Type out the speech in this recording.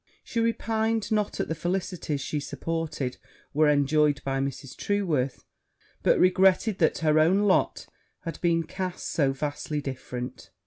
She repined not at the felicities she supposed were enjoyed by Mrs. Trueworth, but regretted that her own lot had been cast so vastly different.